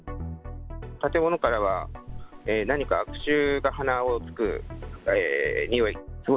建物からは何か悪臭が鼻をつく臭い。